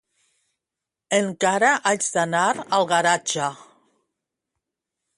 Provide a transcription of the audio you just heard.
Encara haig d'anar al garatge.